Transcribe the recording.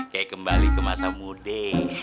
kayak kembali ke masa mudik